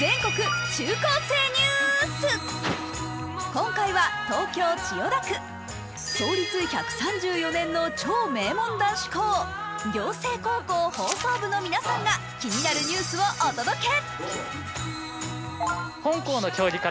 今回は東京・千代田区創立１３４年の超名門題男子校暁星高校放送部の皆さんが気になるニュースをお届け。